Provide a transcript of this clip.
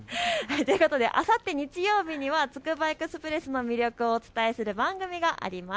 あさって日曜日にはつくばエクスプレスの魅力を伝える番組があります。